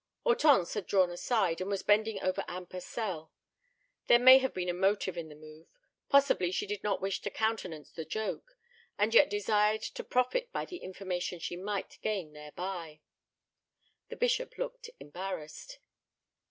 Hortense had drawn aside, and was bending over Anne Purcell. There may have been a motive in the move. Possibly she did not wish to countenance the joke, and yet desired to profit by the information she might gain thereby. The bishop looked embarrassed.